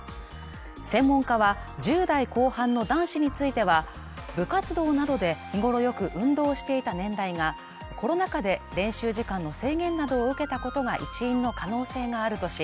専門家は１０代後半の男子については、部活動などで日頃よく運動していた年代がコロナ禍で、練習時間の制限などを受けたことが一因の可能性があるとし、